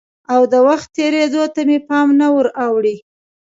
او د وخت تېرېدو ته مې پام نه وراوړي؟